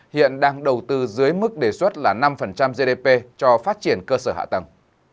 hiện đang đầu tư dưới mức đề xuất là năm gdp cho phát triển cơ sở hạ tầng